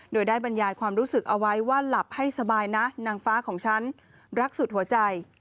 โดยได้บรรยายความรู้สึกเอาไว้ว่าหลับให้สบายนะนางฟ้าของฉันรักสุดหัวใจ